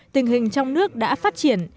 tình hình trong nước đã phát triển